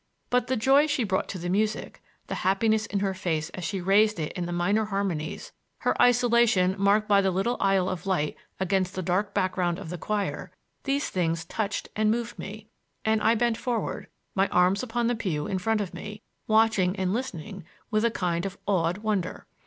But the joy she brought to the music, the happiness in her face as she raised it in the minor harmonies, her isolation, marked by the little isle of light against the dark background of the choir,— these things touched and moved me, and I bent forward, my arms upon the pew in front of me, watching and listening with a kind of awed wonder.